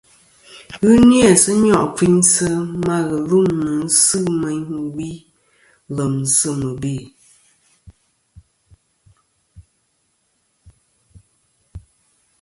Ghɨ ni-a sɨ nyo' kfiynsɨ ma ghɨlûmnɨ sɨ meyn ɨ wi lèm sɨ mɨbè.